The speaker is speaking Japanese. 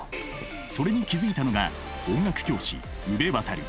それに気付いたのが音楽教師宇部渉。